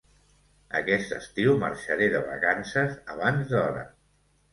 Aquest estiu marxaré de vacances abans d'hora.